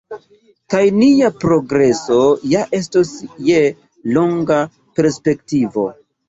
Kaj nia progreso ja estos je longa perspektivo.